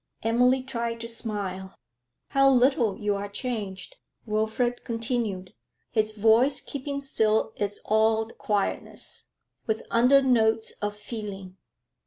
Emily tried to smile. 'How little you are changed!' Wilfrid continued, his voice keeping still its awed quietness, with under notes of feeling.